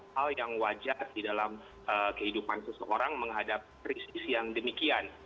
hal yang wajar di dalam kehidupan seseorang menghadapi krisis yang demikian